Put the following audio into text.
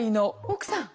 奥さん。